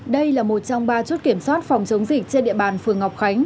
đây là một trong ba chốt kiểm soát phòng chống dịch trên địa bàn phường ngọc khánh